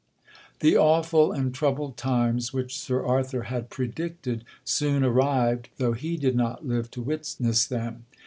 'The awful and troubled times which Sir Arthur had predicted soon arrived, though he did not live to witness them.